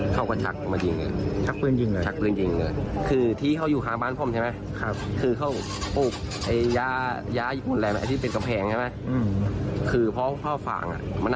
เขาคุยกันซึ่งตอนนั้นพี่ผมอยู่ใกล้กันเนี่ยคุยกัน